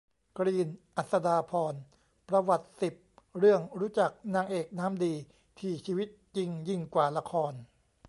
กรีน อัษฎาพร ประวัติ สิบ เรื่องรู้จักนางเอกน้ำดี ที่ชีวิตจริงยิ่งกว่าละคร